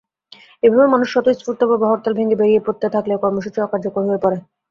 এভাবে মানুষ স্বতঃস্ফূর্তভাবে হরতাল ভেঙে বেরিয়ে পড়তে থাকলে কর্মসূচি অকার্যকর হয়ে পড়ে।